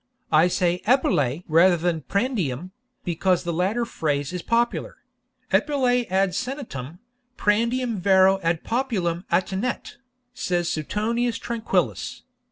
I say epulae rather than prandium, because the latter phrase is popular: epulae ad senatum, prandium vero ad populum attinet, says Suetonius Tranquillus.